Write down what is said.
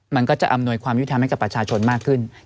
มันก็จะอำนวยความยุทธรรมให้กับประชาชนมากขึ้น